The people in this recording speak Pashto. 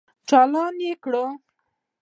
چالان يې کړ.